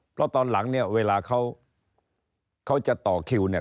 เพราะตอนหลังเนี่ยเวลาเขาเขาจะต่อคิวเนี่ย